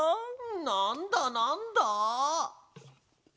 なんだなんだ？